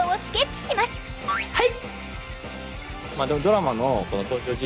はい！